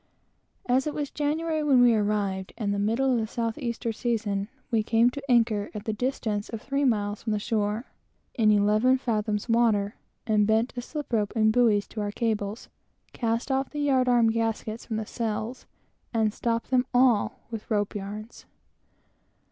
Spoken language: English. As it was January when we arrived, and the middle of the south easter season, we accordingly came to anchor at the distance of three miles from the shore, in eleven fathoms water, and bent a slip rope and buoys to our cables, cast off the yard arm gaskets from the sails, and stopped them all with rope yarns.